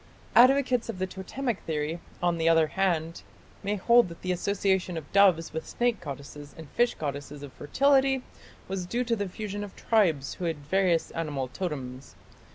Advocates of the Totemic theory, on the other hand, may hold that the association of doves with snake goddesses and fish goddesses of fertility was due to the fusion of tribes who had various animal totems.